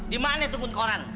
dimana tuh kun koran